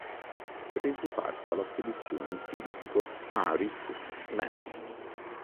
Prese parte alla spedizione il fisico Heinrich Lenz.